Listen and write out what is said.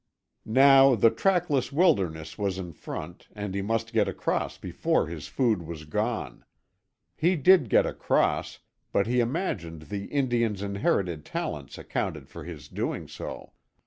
Now the trackless wilderness was in front, and he must get across before his food was gone. He did get across, but he imagined the Indian's inherited talents accounted for his doing so.